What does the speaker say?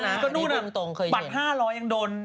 เพราะวันนี้หล่อนแต่งกันได้ยังเป็นสวย